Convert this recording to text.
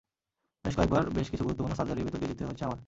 বেশ কয়েকবার বেশ কিছু গুরুত্বপূর্ণ সার্জারির ভেতর দিয়ে যেতে হয়েছে আমার।